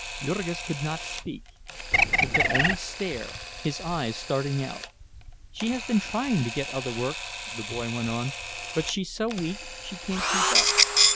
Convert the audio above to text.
Jurgis could not speak; he could only stare, his eyes starting out. "She has been trying to get other work," the boy went on; "but she's so weak she can't keep up.